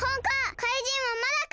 かいじんはまだか！